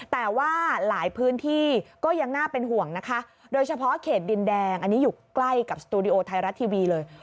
แต่ว่าหลายพื้นที่ก็ยังน่าเป็นห่วงนะคะโดยเฉพาะเขตดินแดงอันนี้อยู่ใกล้กับสตูดิโอไทยรัฐทีวีเลย